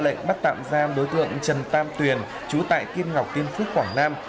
cơ quan công an đã xác định và ra lệnh bắt tạm giam đối tượng trần tam tuyền chú tại tiên ngọc tiên phước quảng nam